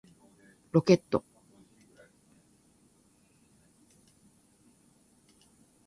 ロケット